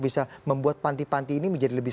bisa membuat panti panti ini menjadi lebih